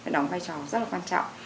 đóng vai trò rất là quan trọng